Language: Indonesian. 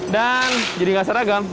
dan jadi gak seragam ya